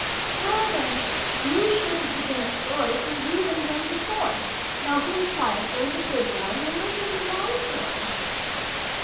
" Well then, you shouldn't begin a story till you've invented more ! Now be quiet, there's a good boy, and listen to my story."